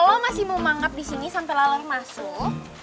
lo masih mau mangkap disini sampe lalur masuk